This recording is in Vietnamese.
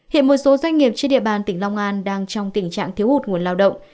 hiện một số doanh nghiệp trên địa bàn tỉnh long an đang trong tình trạng thiếu hụt nguồn lao động